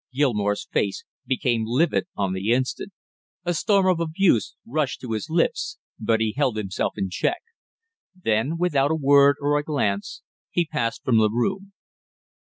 Gilmore's face became livid on the instant. A storm of abuse rushed to his lips but he held himself in check. Then without a word or a glance he passed from the room.